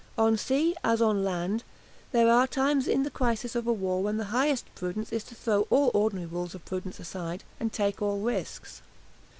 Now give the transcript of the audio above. On sea, as on land, there are times in the crisis of a war when the highest prudence is to throw all ordinary rules of prudence aside, and take all risks.